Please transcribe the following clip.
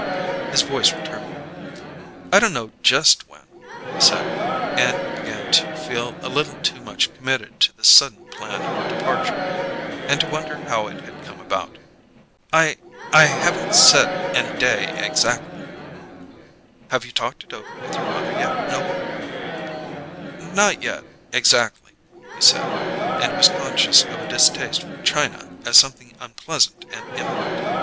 His voice returned. "I don't know just when," he said; and he began to feel a little too much committed to this sudden plan of departure, and to wonder how it had come about. "I I haven't set any day exactly." "Have you talked it over with your mother yet, Noble?" "Not yet exactly," he said, and was conscious of a distaste for China as something unpleasant and imminent.